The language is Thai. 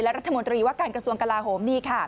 และรัฐมนตรีวัฒกรัฐสมกราโหม